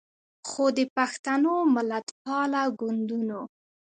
خو د پښتنو ملتپاله ګوندونو